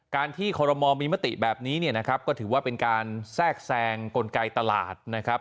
การที่คอรมอลมีมติแบบนี้เนี่ยนะครับก็ถือว่าเป็นการแทรกแซงกลไกตลาดนะครับ